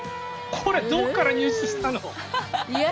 これどこから入手したの？